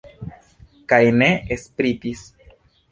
Kaj ne spritis.